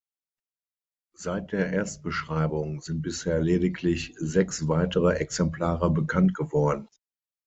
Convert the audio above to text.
Seit der Erstbeschreibung sind bisher lediglich sechs weitere Exemplare bekannt geworden.